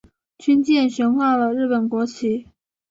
军舰悬挂了日本国旗。